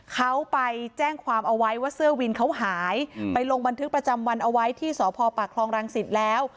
เขาไปแจ้งความเอาไว้ว่าเสื้อวินเขาหายไปลงบันทึกประจำวันเอาไว้ที่สพปากคลองรังสิตแล้ว